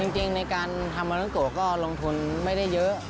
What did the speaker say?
จริงในการทำมาน้องโกะก็ลงทุนไม่ได้เยอะ